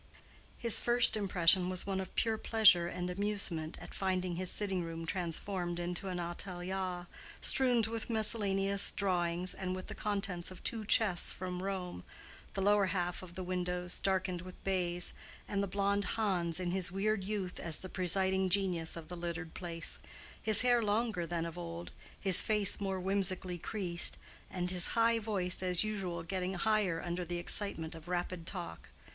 His first impression was one of pure pleasure and amusement at finding his sitting room transformed into an atelier strewed with miscellaneous drawings and with the contents of two chests from Rome, the lower half of the windows darkened with baize, and the blonde Hans in his weird youth as the presiding genius of the littered place—his hair longer than of old, his face more whimsically creased, and his high voice as usual getting higher under the excitement of rapid talk.